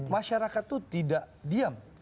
masyarakat itu tidak diam